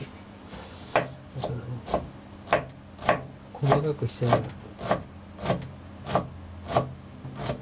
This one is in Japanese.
細かくしてあげないと。